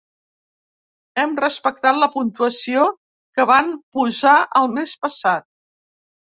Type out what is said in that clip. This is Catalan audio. Hem respectat la puntuació que van posar el mes passat.